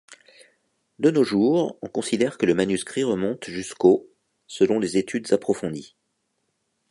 De nos jours, on considère que le manuscrit remonte jusqu'au selon les études approfondies.